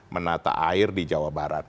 menata air di jawa barat